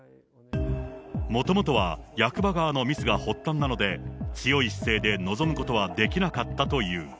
もともとは役場側のミスが発端なので、強い姿勢で臨むことはできなかったという。